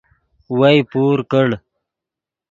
وئے پور کڑ